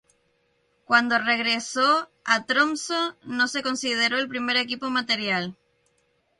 Cuando regresó a Tromsø, no se consideró el primer equipo material.